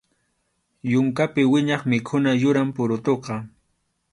Yunkapi wiñaq mikhuna yuram purutuqa.